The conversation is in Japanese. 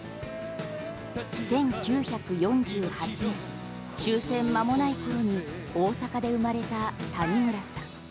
１９４８年、終戦まもない頃に大阪で生まれた谷村さん。